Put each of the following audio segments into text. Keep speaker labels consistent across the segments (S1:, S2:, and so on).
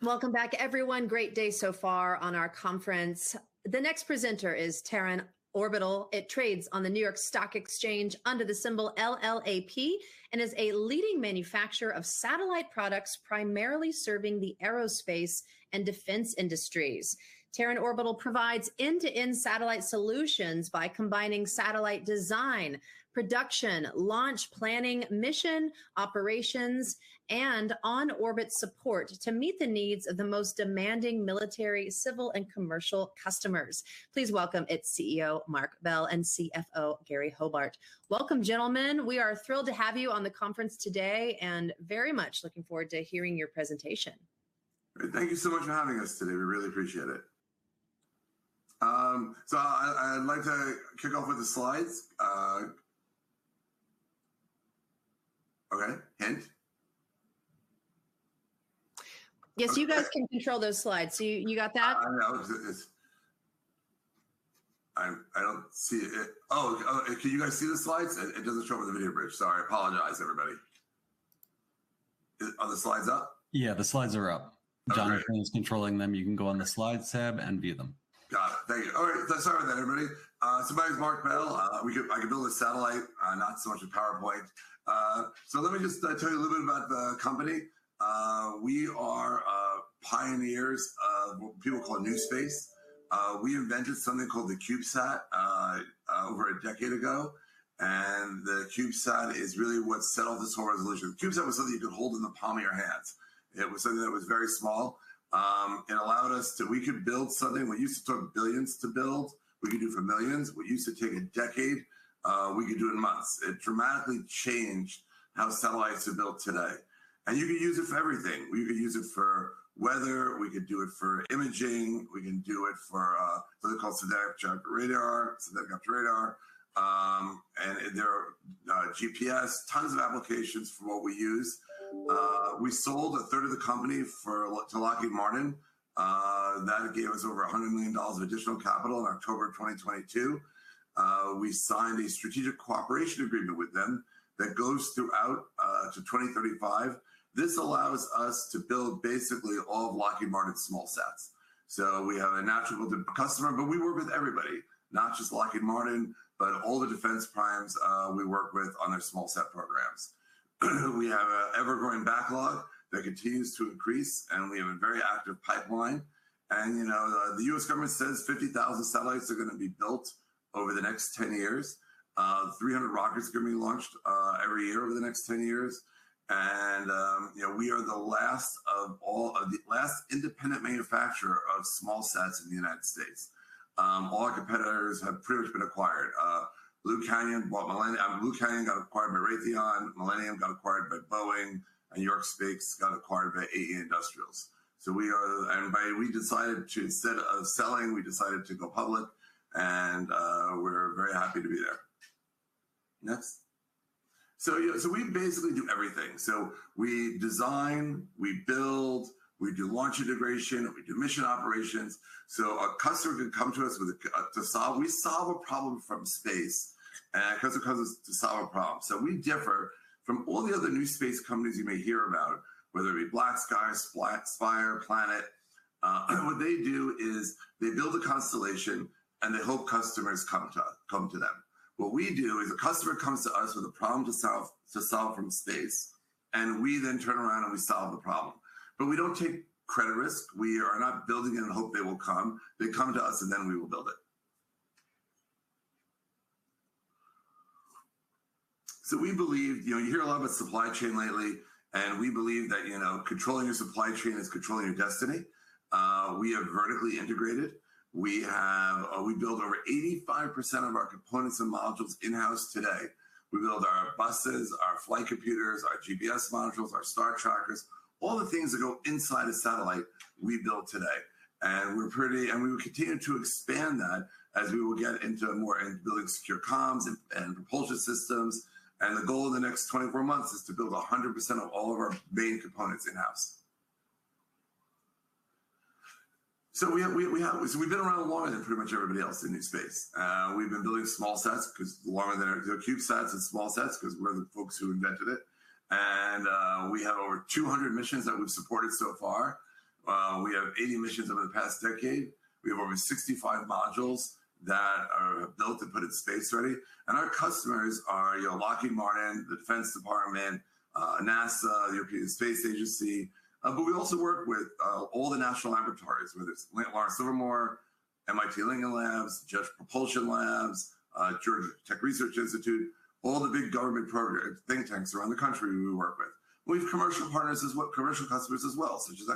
S1: Welcome back everyone. Great day so far on our conference. The next presenter is Terran Orbital. It trades on the New York Stock Exchange under the symbol LLAP, and is a leading manufacturer of satellite products, primarily serving the aerospace and defense industries. Terran Orbital provides end-to-end satellite solutions by combining satellite design, production, launch planning, mission, operations, and on-orbit support to meet the needs of the most demanding military, civil, and commercial customers. Please welcome its CEO, Marc Bell, and CFO, Gary Hobart. Welcome, gentlemen. We are thrilled to have you on the conference today and very much looking forward to hearing your presentation.
S2: Thank you so much for having us today. We really appreciate it. I'd like to kick off with the slides. Okay. And?
S1: Yes, you guys can control those slides. You, you got that?
S2: I don't know. It's, I don't see it. Oh, can you guys see the slides? It doesn't show on the video bridge. Sorry, apologize, everybody. Are the slides up?
S3: Yeah, the slides are up.
S2: Okay.
S3: John is controlling them. You can go on the Slides tab and view them.
S2: Got it. Thank you. All right. Sorry about that, everybody. My name's Marc Bell. I could build a satellite, not so much a PowerPoint. Let me just tell you a little bit about the company. We are pioneers of what people call new space. We invented something called the CubeSat over a decade ago, and the CubeSat is really what settled this whole resolution. CubeSat was something you could hold in the palm of your hands. It was something that was very small. It allowed us to. We could build something, what used to took billions to build, we could do for millions. What used to take a decade, we could do in months. It dramatically changed how satellites are built today. You could use it for everything. We could use it for weather, we could do it for imaging, we can do it for something called synthetic aperture radar, synthetic aperture radar. GPS, tons of applications for what we use. We sold a third of the company to Lockheed Martin. That gave us over $100 million of additional capital in October of 2022. We signed a strategic cooperation agreement with them that goes throughout to 2035. This allows us to build basically all of Lockheed Martin's small sats. We have a natural good customer, but we work with everybody, not just Lockheed Martin, but all the defense primes we work with on their smallsat programs. We have an ever-growing backlog that continues to increase, and we have a very active pipeline. You know, the U.S. government says 50,000 satellites are gonna be built over the next 10 years. 300 rockets are gonna be launched every year over the next 10 years. You know, we are the last independent manufacturer of smallsats in the United States. All our competitors have pretty much been acquired. Blue Canyon got acquired by Raytheon, Millennium got acquired by Boeing, and York Space got acquired by AE Industrial Partners. By the way, we decided to, instead of selling, we decided to go public, and we're very happy to be there. Next. We basically do everything. We design, we build, we do launch integration, and we do mission operations. We solve a problem from space, customer comes to us to solve a problem. We differ from all the other new space companies you may hear about, whether it be BlackSky, Flats, Spire, Planet. What they do is they build a constellation, and they hope customers come to them. What we do is a customer comes to us with a problem to solve from space, and we then turn around and we solve the problem. We don't take credit risk. We are not building it and hope they will come. They come to us, we will build it. We believe. You know, you hear a lot about supply chain lately, and we believe that, you know, controlling your supply chain is controlling your destiny. We are vertically integrated. We build over 85% of our components and modules in-house today. We build our buses, our flight computers, our GPS modules, our star trackers, all the things that go inside a satellite, we build today. We will continue to expand that as we will get into more building secure comms and propulsion systems. The goal of the next 24 months is to build 100% of all of our main components in-house. We have. We've been around longer than pretty much everybody else in new space. We've been building smallsats 'cause longer than CubeSats and smallsats 'cause we're the folks who invented it. We have over 200 missions that we've supported so far. We have 80 missions over the past decade. We have over 65 modules that are built and put in space already. Our customers are, you know, Lockheed Martin, the Defense Department, NASA, the European Space Agency. But we also work with all the national laboratories, whether it's Lawrence Livermore, MIT Lincoln Labs, Jet Propulsion Labs, Georgia Tech Research Institute, all the big government program, think tanks around the country we work with. We have commercial partners as well, commercial customers as well, such as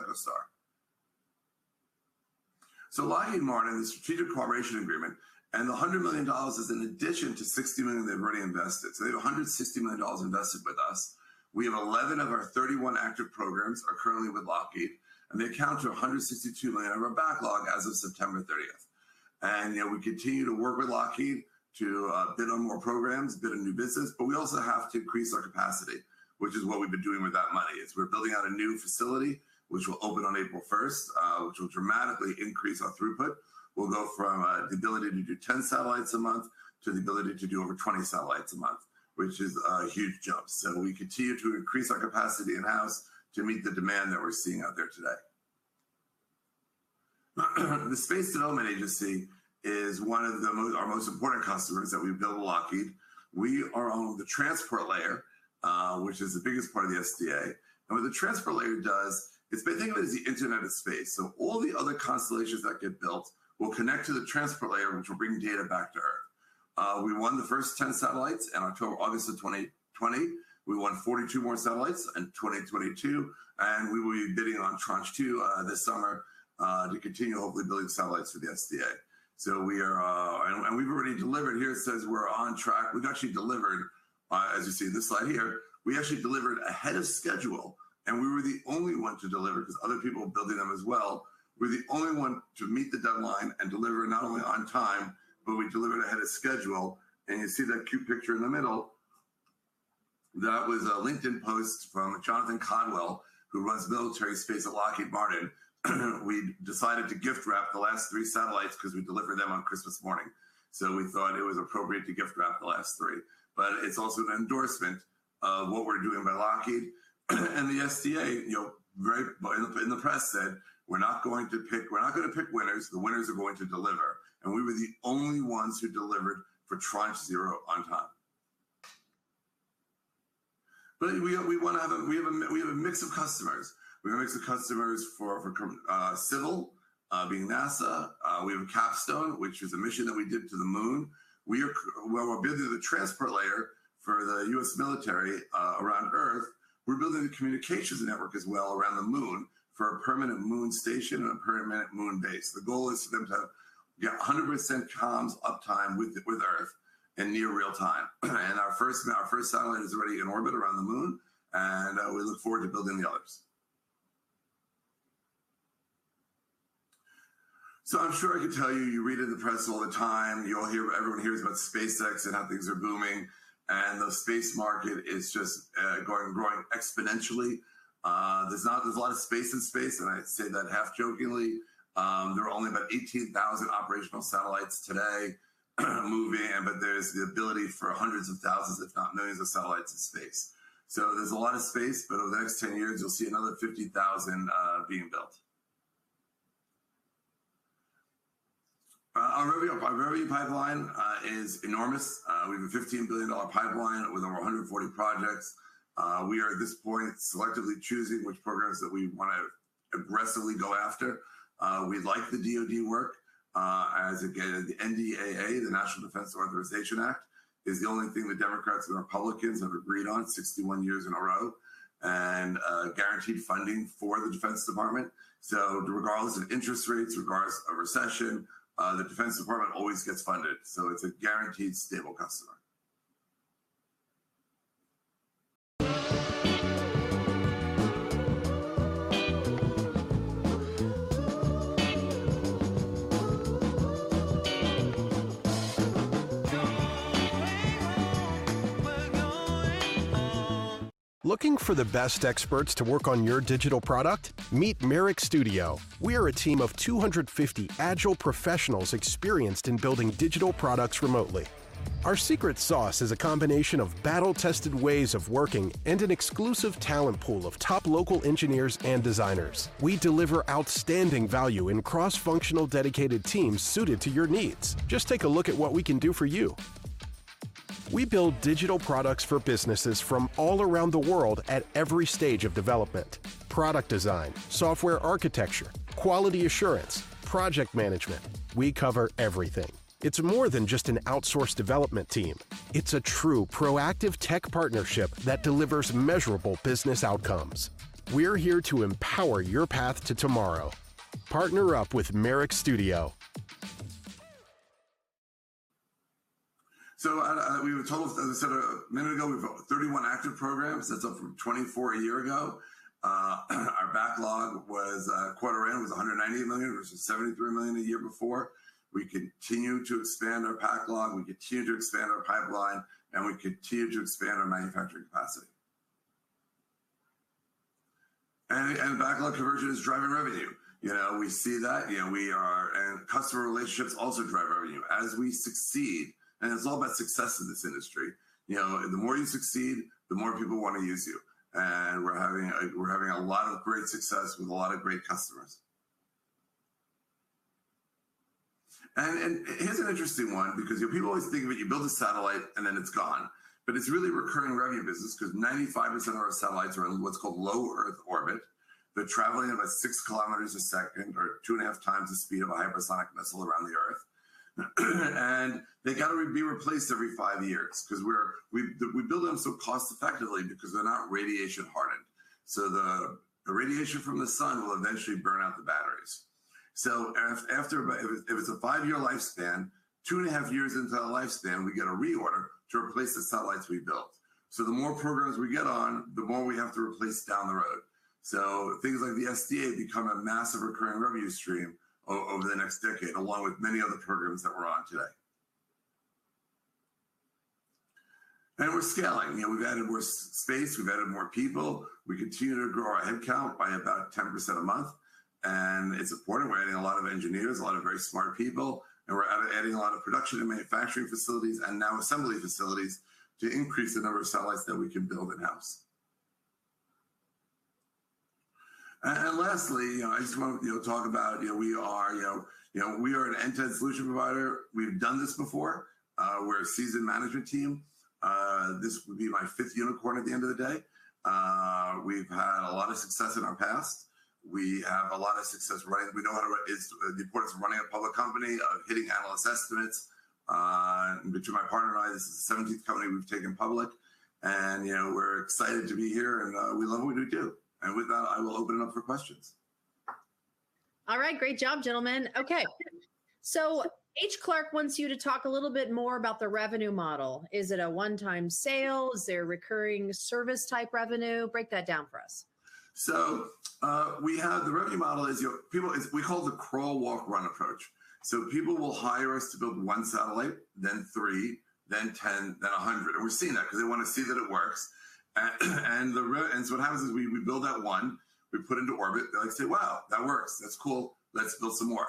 S2: EchoStar. Lockheed Martin, the strategic cooperation agreement, and the $100 million is in addition to $60 million they've already invested. They have $160 million invested with us. We have 11 of our 31 active programs are currently with Lockheed, and they account to $162 million of our backlog as of September thirtieth. You know, we continue to work with Lockheed to bid on more programs, bid on new business, but we also have to increase our capacity. Which is what we've been doing with that money, is we're building out a new facility which will open on April first, which will dramatically increase our throughput. We'll go from the ability to do 10 satellites a month to the ability to do over 20 satellites a month, which is a huge jump. We continue to increase our capacity in-house to meet the demand that we're seeing out there today. The Space Development Agency is one of our most important customers that we build at Lockheed. We are on the Transport Layer, which is the biggest part of the SDA. What the Transport Layer does is, think of it as the Internet of space. All the other constellations that get built will connect to the Transport Layer, which will bring data back to Earth. We won the first 10 satellites in October. August of 2020, we won 42 more satellites in 2022, and we will be bidding on Tranche 2 this summer to continue hopefully building satellites for the SDA. We've already delivered. Here it says we're on track. We've actually delivered, as you see this slide here, we actually delivered ahead of schedule, and we were the only one to deliver, 'cause other people are building them as well. We're the only one to meet the deadline and deliver not only on time, but we delivered ahead of schedule. You see that cute picture in the middle. That was a LinkedIn post from Jonathon Caldwell, who runs military space at Lockheed Martin. We decided to gift wrap the last three satellites 'cause we delivered them on Christmas morning, so we thought it was appropriate to gift wrap the last three. It's also an endorsement of what we're doing by Lockheed and the SDA, you know. The press said, "We're not going to pick, we're not gonna pick winners. The winners are going to deliver." We were the only ones who delivered for Tranche 0 on time. We wanna have a. We have a mix of customers. We have a mix of customers for civil, being NASA. We have CAPSTONE, which is a mission that we did to the Moon. While we're building the Transport Layer for the U.S. military, around Earth, we're building the communications network as well around the Moon for a permanent Moon station and a permanent Moon base. The goal is for them to get 100% comms uptime with Earth in near real time. Our first satellite is already in orbit around the Moon, and we look forward to building the others. I'm sure I could tell you read it in the press all the time. You all hear, everyone hears about SpaceX and how things are booming, and the space market is just growing exponentially. There's a lot of space in space, and I say that half-jokingly. There are only about 18,000 operational satellites today moving, but there's the ability for hundreds of thousands, if not millions, of satellites in space. There's a lot of space, but over the next 10 years you'll see another 50,000 being built. Our revenue pipeline is enormous. We have a $15 billion pipeline with over 140 projects. We are at this point selectively choosing which programs that we wanna aggressively go after. We like the DoD work as, again, the NDAA, the National Defense Authorization Act, is the only thing the Democrats and Republicans have agreed on 61 years in a row and guaranteed funding for the Defense Department. Regardless of interest rates, regardless of recession, the Defense Department always gets funded, so it's a guaranteed stable customer.
S4: Looking for the best experts to work on your digital product? Meet Merixstudio. We are a team of 250 agile professionals experienced in building digital products remotely. Our secret sauce is a combination of battle-tested ways of working and an exclusive talent pool of top local engineers and designers. We deliver outstanding value in cross-functional, dedicated teams suited to your needs. Just take a look at what we can do for you. We build digital products for businesses from all around the world at every stage of development. Product design, software architecture, quality assurance, project management. We cover everything. It's more than just an outsource development team. It's a true proactive tech partnership that delivers measurable business outcomes. We're here to empower your path to tomorrow. Partner up with Merixstudio.
S2: At, we were told, as I said a minute ago, we've got 31 active programs. That's up from 24 a year ago. Our backlog was quarter end was $190 million, versus $73 million the year before. We continue to expand our backlog, we continue to expand our pipeline, and we continue to expand our manufacturing capacity. Backlog conversion is driving revenue. You know, we see that. You know, customer relationships also drive revenue. As we succeed, and it's all about success in this industry, you know, the more you succeed, the more people wanna use you. We're having a lot of great success with a lot of great customers. Here's an interesting one, because, you know, people always think that you build a satellite and then it's gone, but it's really a recurring revenue business because 95% of our satellites are in what's called low Earth orbit. They're traveling about 6 kilometers a second or two and a half times the speed of a hypersonic missile around the Earth. They gotta be replaced every 5 years 'cause we build them so cost-effectively because they're not radiation hardened. The radiation from the sun will eventually burn out the batteries. After about... if it's a 5-year lifespan, two and a half years into that lifespan, we get a reorder to replace the satellites we built. The more programs we get on, the more we have to replace down the road. Things like the SDA become a massive recurring revenue stream over the next decade, along with many other programs that we're on today. We're scaling. You know, we've added more space, we've added more people. We continue to grow our headcount by about 10% a month, and it's important. We're adding a lot of engineers, a lot of very smart people, and we're adding a lot of production and manufacturing facilities and now assembly facilities to increase the number of satellites that we can build in-house. Lastly, you know, I just want, you know, to talk about, you know, we are, you know, you know, we are an end-to-end solution provider. We've done this before. We're a seasoned management team. This will be my fifth unicorn at the end of the day. We've had a lot of success in our past. We have a lot of success, right? We know how to the importance of running a public company, of hitting analyst estimates. Between my partner and I, this is the seventeenth company we've taken public. You know, we're excited to be here, and we love what we do. With that, I will open it up for questions.
S1: All right. Great job, gentlemen. Okay. H. Clark wants you to talk a little bit more about the revenue model. Is it a one-time sale? Is there recurring service type revenue? Break that down for us.
S2: The revenue model is we call the crawl, walk, run approach. People will hire us to build 1 satellite, then 3, then 10, then 100. We're seeing that because they wanna see that it works. What happens is we build that 1, we put it into orbit. They say, "Wow, that works. That's cool. Let's build some more."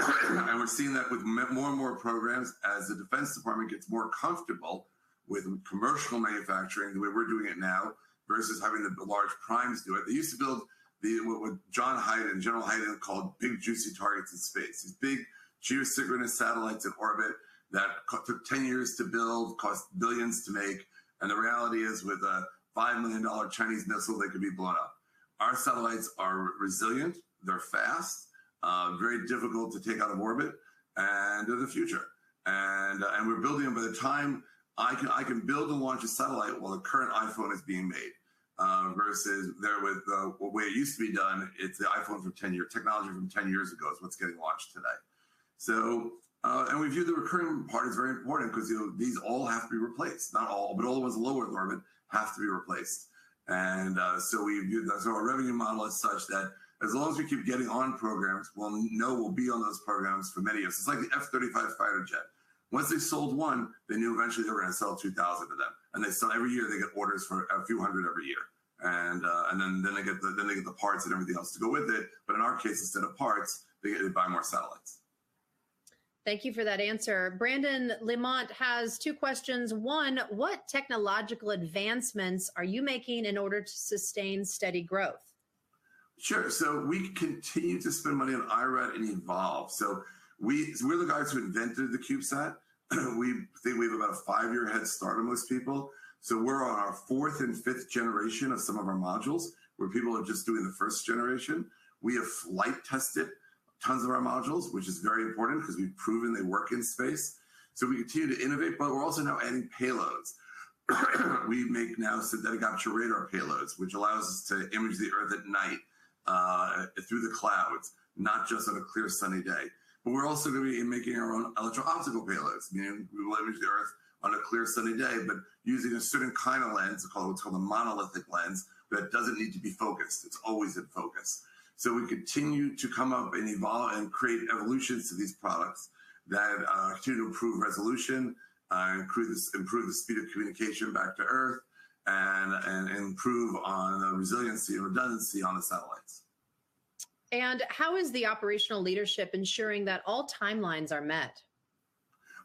S2: We're seeing that with more and more programs as the Defense Department gets more comfortable with commercial manufacturing, the way we're doing it now, versus having the large primes do it. They used to build the what John Hyten, General Hyten called big, juicy targets in space. These big geosynchronous satellites in orbit that took 10 years to build, cost $billions to make, the reality is, with a $5 million Chinese missile, they could be blown up. Our satellites are resilient, they're fast, very difficult to take out of orbit, they're the future. We're building them. By the time I can build and launch a satellite while the current iPhone is being made, versus there with the way it used to be done, it's the iPhone from technology from 10 years ago is what's getting launched today. We view the recurring part as very important because, you know, these all have to be replaced. Not all, but all the ones low Earth orbit have to be replaced. We view... Our revenue model is such that as long as we keep getting on programs, we'll know we'll be on those programs for many years. It's like the F-35 fighter jet. Once they sold 1, they knew eventually they were gonna sell 2,000 of them. They sell every year, they get orders for a few hundred every year. Then they get the parts and everything else to go with it. In our case, instead of parts, they get to buy more satellites.
S1: Thank you for that answer. Brandon Lamont has two questions. One, what technological advancements are you making in order to sustain steady growth?
S2: Sure. We continue to spend money on IRAD and Evolve. We're the guys who invented the CubeSat. We think we have about a five-year head start on most people. We're on our fourth and fifth generation of some of our modules, where people are just doing the first generation. We have flight tested tons of our modules, which is very important because we've proven they work in space. We continue to innovate, but we're also now adding payloads. We make now synthetic aperture radar payloads, which allows us to image the Earth at night, through the clouds, not just on a clear, sunny day. We're also gonna be making our own electro-optical payloads, meaning we will image the Earth on a clear, sunny day, but using a certain kind of lens called a monolithic lens, that doesn't need to be focused. It's always in focus. We continue to come up and evolve and create evolutions to these products that continue to improve resolution, improve the speed of communication back to Earth, and improve on the resiliency and redundancy on the satellites.
S1: How is the operational leadership ensuring that all timelines are met?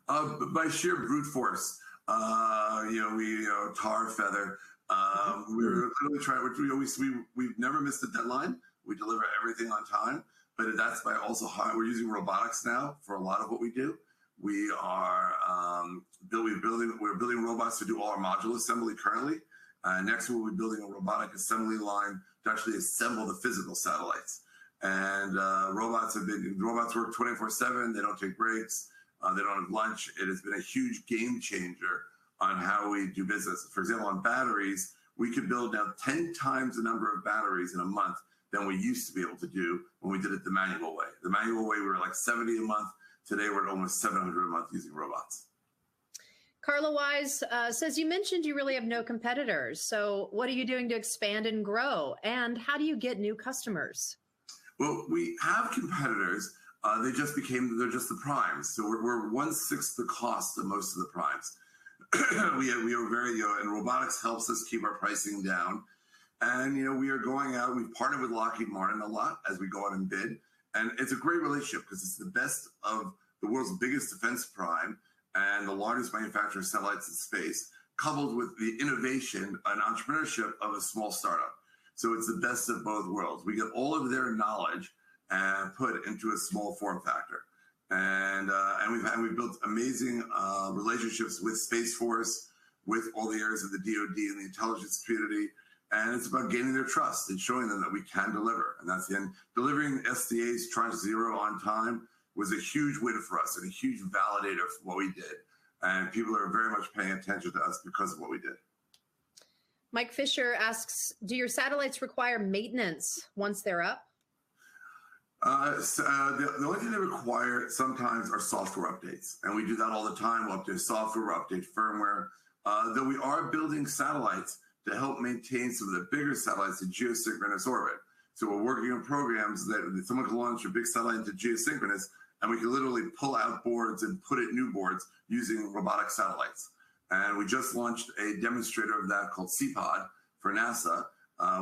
S2: By sheer brute force. You know, we, you know, tar, feather. We're gonna try. We always. We've never missed a deadline. We deliver everything on time. But that's by also we're using robotics now for a lot of what we do. We are building, we're building robots to do all our module assembly currently. Next, we'll be building a robotic assembly line to actually assemble the physical satellites. And robots have been. Robots work 24/7. They don't take breaks. They don't have lunch. It has been a huge game changer on how we do business. For example, on batteries, we could build now 10 times the number of batteries in a month than we used to be able to do when we did it the manual way. The manual way, we were at, like, 70 a month. Today, we're at almost 700 a month using robots.
S1: Carla Wise says, "You mentioned you really have no competitors, what are you doing to expand and grow? How do you get new customers?
S2: Well, we have competitors. They just became... They're just the primes. We're one-sixth the cost of most of the primes. We are very... You know, robotics helps us keep our pricing down. You know, we are going out, we've partnered with Lockheed Martin a lot as we go out and bid. It's a great relationship because it's the best of the world's biggest defense prime and the largest manufacturer of satellites in space, coupled with the innovation and entrepreneurship of a small startup. It's the best of both worlds. We get all of their knowledge put into a small form factor. We've built amazing relationships with Space Force, with all the areas of the DOD and the intelligence community, it's about gaining their trust and showing them that we can deliver. That's again, delivering SDA's Tranche 0 on time was a huge win for us and a huge validator of what we did. People are very much paying attention to us because of what we did.
S1: Mike Fisher asks, "Do your satellites require maintenance once they're up?
S2: The only thing they require sometimes are software updates, and we do that all the time. We'll have to do software update, firmware. Though we are building satellites to help maintain some of the bigger satellites in geosynchronous orbit. We're working on programs that if someone can launch a big satellite into geosynchronous, and we can literally pull out boards and put in new boards using robotic satellites. We just launched a demonstrator of that called CPOD for NASA,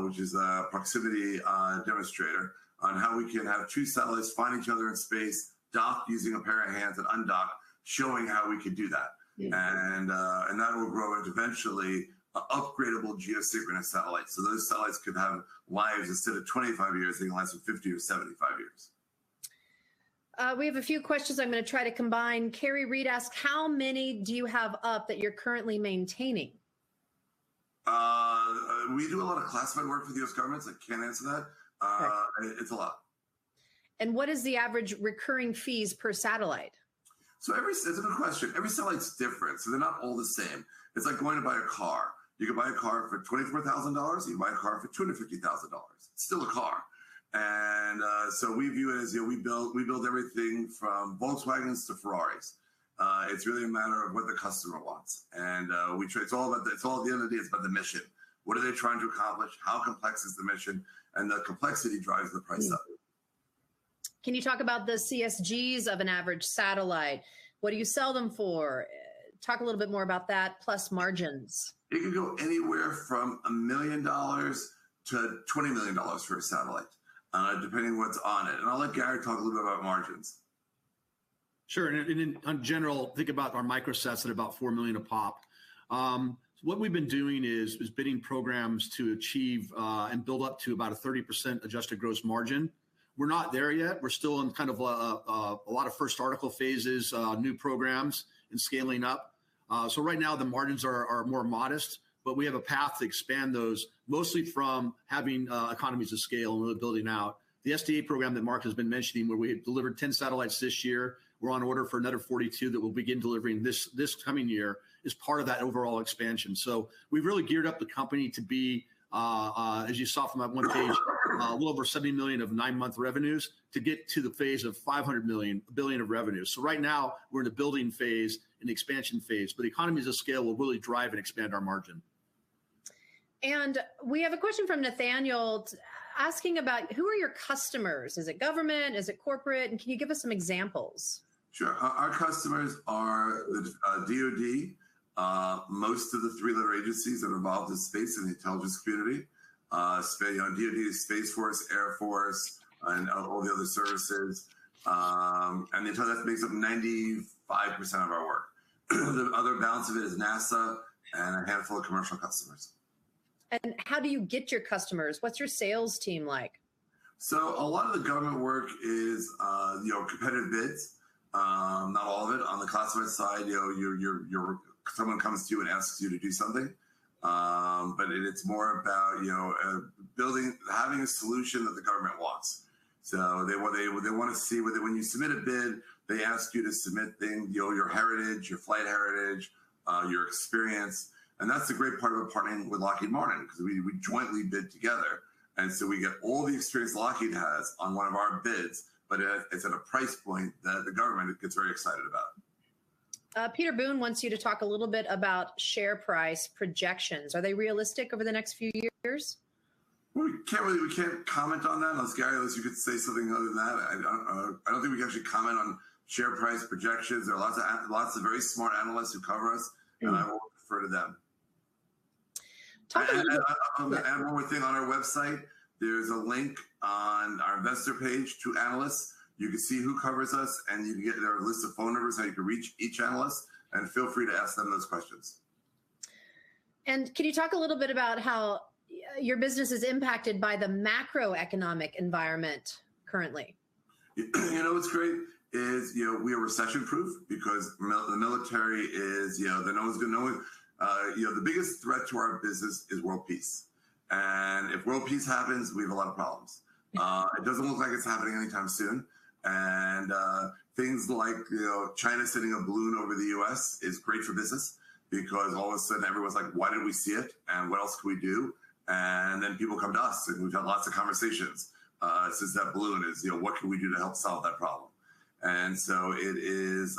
S2: which is a proximity demonstrator on how we can have two satellites find each other in space, dock using a pair of hands, and undock, showing how we could do that.
S1: Yeah.
S2: That will grow into eventually a upgradeable geosynchronous satellite. Those satellites could have lives instead of 25 years, they can last for 50 or 75 years.
S1: We have a few questions I'm gonna try to combine. Carrie Reid asked, "How many do you have up that you're currently maintaining?
S2: We do a lot of classified work for the U.S. government, I can't answer that.
S1: Okay.
S2: It's a lot.
S1: What is the average recurring fees per satellite?
S2: That's a good question. Every satellite's different, they're not all the same. It's like going to buy a car. You could buy a car for $24,000, or you can buy a car for $250,000. It's still a car. We view it as, you know, we build everything from Volkswagens to Ferraris. It's really a matter of what the customer wants. It's all at the end of the day, it's about the mission. What are they trying to accomplish? How complex is the mission? The complexity drives the price up.
S1: Can you talk about the CSGs of an average satellite? What do you sell them for? Talk a little bit more about that, plus margins.
S2: It can go anywhere from $1 million to $20 million for a satellite, depending what's on it. I'll let Gary talk a little bit about margins.
S3: Sure. In general, think about our microsats at about $4 million a pop. What we've been doing is bidding programs to achieve, and build up to about a 30% adjusted gross margin. We're not there yet. We're still in kind of a lot of first article phases, new programs and scaling up. Right now the margins are more modest, but we have a path to expand those mostly from having economies of scale and really building out. The SDE program that Mark has been mentioning, where we had delivered 10 satellites this year, we're on order for another 42 that we'll begin delivering this coming year, is part of that overall expansion. We've really geared up the company to be, as you saw from that one page, a little over $70 million of 9-month revenues to get to the phase of $500 million, $1 billion of revenues. Right now we're in the building phase and expansion phase, but economies of scale will really drive and expand our margin.
S1: We have a question from Nathaniel asking about who are your customers? Is it government? Is it corporate? Can you give us some examples?
S2: Sure. Our customers are the DoD, most of the three letter agencies that are involved in space and the intelligence community. You know, DoD, Space Force, Air Force, and all the other services. They tell that makes up 95% of our work. The other balance of it is NASA and a handful of commercial customers.
S1: How do you get your customers? What's your sales team like?
S2: A lot of the government work is, you know, competitive bids. Not all of it. On the classified side, you know, someone comes to you and asks you to do something. It, it's more about, you know, having a solution that the government wants. When you submit a bid, they ask you to submit things, you know, your heritage, your flight heritage, your experience. That's the great part of partnering with Lockheed Martin, 'cause we jointly bid together. We get all the experience Lockheed has on one of our bids, but it's at a price point that the government gets very excited about.
S1: Peter Boone wants you to talk a little bit about share price projections. Are they realistic over the next few years?
S2: We can't comment on that. Unless Gary, unless you could say something other than that. I don't, I don't think we can actually comment on share price projections. There are lots of very smart analysts who cover us.
S3: Yeah
S2: I will refer to them.
S1: Talk a little bit...
S2: On the analyst thing on our website, there's a link on our investor page to analysts. You can see who covers us, and you can get their list of phone numbers, how you can reach each analyst, and feel free to ask them those questions.
S1: Can you talk a little bit about how your business is impacted by the macroeconomic environment currently?
S2: You know what's great is, you know, we are recession-proof because the military is, you know, they're not as good, known. You know, the biggest threat to our business is world peace. If world peace happens, we have a lot of problems. It doesn't look like it's happening anytime soon. Things like, you know, China sending a balloon over the U.S. is great for business because all of a sudden everyone's like, "Why didn't we see it? What else could we do?" Then people come to us, and we've had lots of conversations, since that balloon is, you know, "What can we do to help solve that problem?" So it is.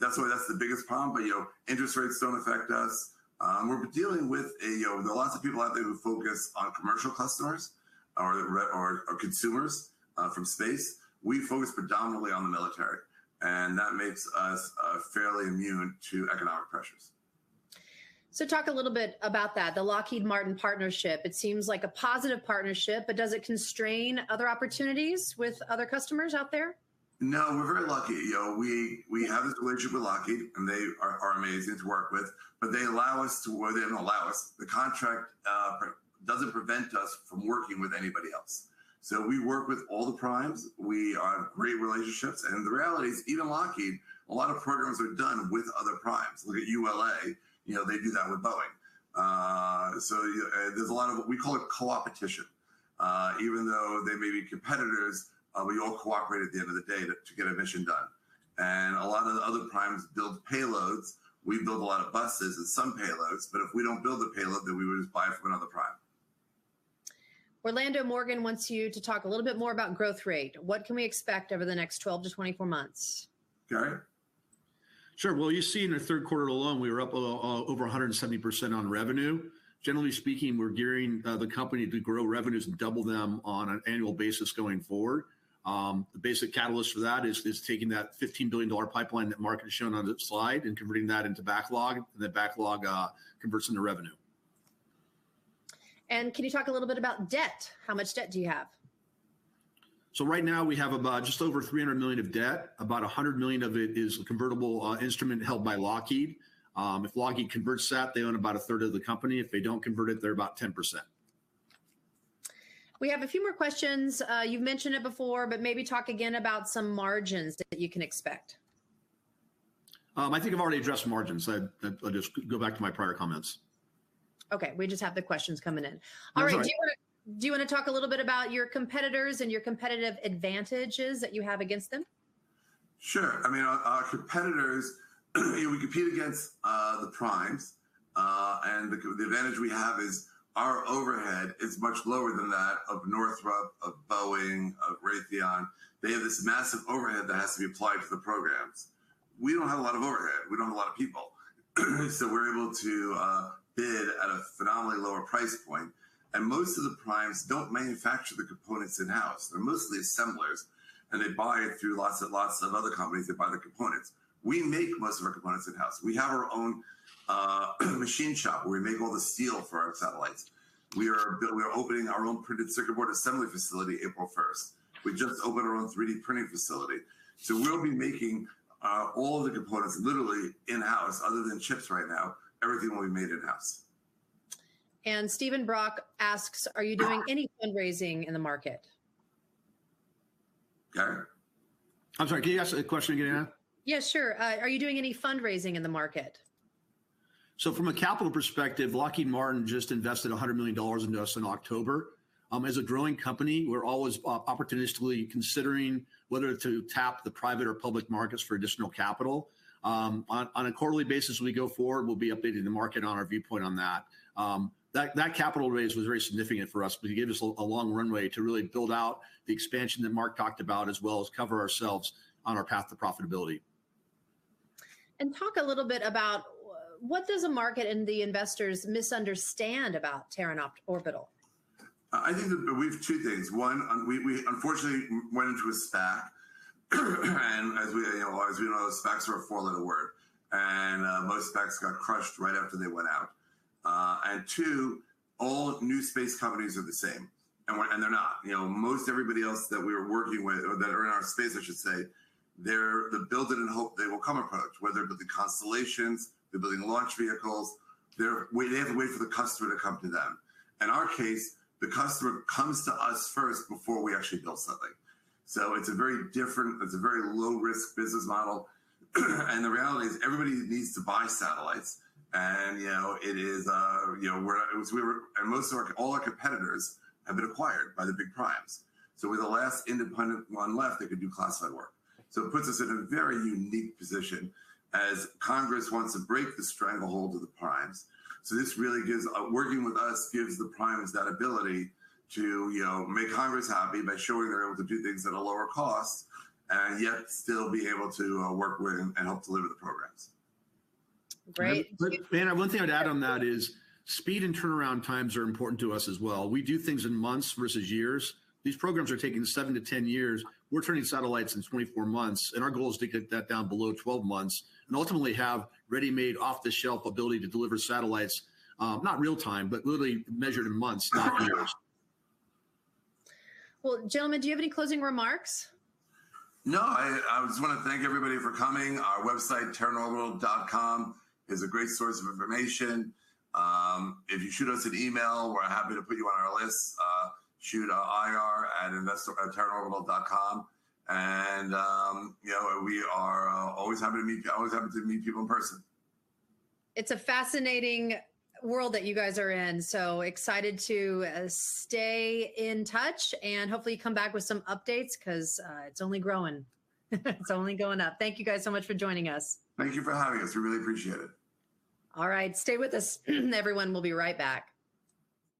S2: That's why that's the biggest problem. You know, interest rates don't affect us. We're dealing with a, you know, there are lots of people out there who focus on commercial customers or consumers from space. That makes us fairly immune to economic pressures.
S1: Talk a little bit about that, the Lockheed Martin partnership. It seems like a positive partnership, but does it constrain other opportunities with other customers out there?
S2: No. We're very lucky. You know, we have this relationship with Lockheed, and they are amazing to work with. Well, they didn't allow us. The contract doesn't prevent us from working with anybody else. We work with all the primes. We have great relationships. The reality is, even Lockheed, a lot of programs are done with other primes. Look at ULA, you know, they do that with Boeing. There's a lot of. We call it co-opetition. Even though they may be competitors, we all cooperate at the end of the day to get a mission done. A lot of the other primes build payloads. We build a lot of buses and some payloads, but if we don't build the payload, then we would just buy it from another prime.
S1: Orlando Morgan wants you to talk a little bit more about growth rate. What can we expect over the next 12 to 24 months?
S2: Gary?
S3: Sure. Well, you see in the third quarter alone, we were up 170% on revenue. Generally speaking, we're gearing the company to grow revenues and double them on an annual basis going forward. The basic catalyst for that is taking that $15 billion pipeline that Mark has shown on the slide and converting that into backlog. The backlog converts into revenue.
S1: Can you talk a little bit about debt? How much debt do you have?
S3: Right now we have about just over $300 million of debt. About $100 million of it is a convertible instrument held by Lockheed. If Lockheed converts that, they own about a third of the company. If they don't convert it, they're about 10%.
S1: We have a few more questions. You've mentioned it before, but maybe talk again about some margins that you can expect.
S3: I think I've already addressed margins. I'll just go back to my prior comments.
S1: Okay. We just have the questions coming in.
S3: I'm sorry.
S1: All right. Do you wanna talk a little bit about your competitors and your competitive advantages that you have against them?
S2: Sure. I mean, our competitors, we compete against the primes. The advantage we have is our overhead is much lower than that of Northrop, of Boeing, of Raytheon. They have this massive overhead that has to be applied to the programs. We don't have a lot of overhead. We don't have a lot of people. We're able to bid at a phenomenally lower price point. Most of the primes don't manufacture the components in-house. They're mostly assemblers, and they buy it through lots and lots of other companies that buy the components. We make most of our components in-house. We have our own machine shop where we make all the steel for our satellites. We are opening our own printed circuit board assembly facility April 1st. We just opened our own 3D printing facility. We'll be making, all the components literally in-house other than chips right now. Everything will be made in-house.
S1: Steven Brock asks?
S2: Yeah.
S1: Are you doing any fundraising in the market?
S3: I'm sorry. Can you ask the question again, Anna?
S1: Yeah, sure. Are you doing any fundraising in the market?
S3: From a capital perspective, Lockheed Martin just invested $100 million into us in October. As a growing company, we're always opportunistically considering whether to tap the private or public markets for additional capital. On a quarterly basis we go forward, we'll be updating the market on our viewpoint on that. That capital raise was very significant for us because it gave us a long runway to really build out the expansion that Mark talked about, as well as cover ourselves on our path to profitability.
S1: talk a little bit about what does the market and the investors misunderstand about Terran Orbital?
S2: I think that we've two things. One, we unfortunately ran into a SPAC. As we, you know, as we know, SPACs are a four-letter word. Most SPACs got crushed right after they went out. Two, all new space companies are the same, and they're not. You know, most everybody else that we're working with or that are in our space, I should say, they're the build it and hope they will come approach, whether with the constellations, they're building launch vehicles. They have to wait for the customer to come to them. In our case, the customer comes to us first before we actually build something. It's a very different, it's a very low-risk business model. The reality is everybody needs to buy satellites and, you know, it is, you know, all our competitors have been acquired by the big primes. We're the last independent one left that could do classified work. It puts us in a very unique position as Congress wants to break the stranglehold of the primes. This really gives, working with us gives the primes that ability to, you know, make Congress happy by showing they're able to do things at a lower cost and yet still be able to work with and help deliver the programs.
S1: Great.
S3: Anna, one thing I'd add on that is speed and turnaround times are important to us as well. We do things in months versus years. These programs are taking 7-10 years. We're turning satellites in 24 months, and our goal is to get that down below 12 months and ultimately have ready-made, off-the-shelf ability to deliver satellites, not real time, but literally measured in months, not years.
S1: Well, gentlemen, do you have any closing remarks?
S2: No, I just wanna thank everybody for coming. Our website, terranorbital.com, is a great source of information. If you shoot us an email, we're happy to put you on our list. Shoot ir@terranorbital.com. You know, we are always happy to meet people in person.
S1: It's a fascinating world that you guys are in, so excited to stay in touch and hopefully you come back with some updates 'cause it's only growing. It's only going up. Thank you guys so much for joining us.
S2: Thank you for having us. We really appreciate it.
S1: All right. Stay with us, everyone. We'll be right back.